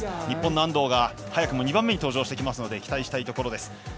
日本の安藤が早くも２番目に登場してきますので期待したいところです。